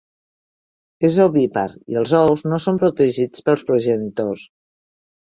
És ovípar i els ous no són protegits pels progenitors.